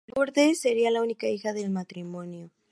Lourdes sería la única hija del matrimonio.